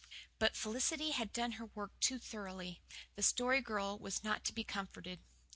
But Felicity had done her work too thoroughly. The Story Girl was not to be comforted.